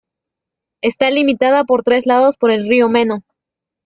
Está limitada por tres lados por el río Meno.